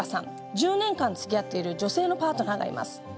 １０年つきあっている女性のパートナーがいます。